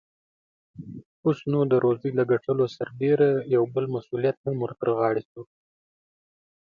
اوس، نو د روزۍ له ګټلو سربېره يو بل مسئوليت هم ور ترغاړې شو.